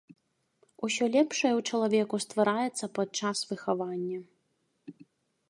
Усё лепшае ў чалавеку ствараецца падчас выхавання.